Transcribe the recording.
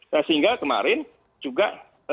sehingga kemarin juga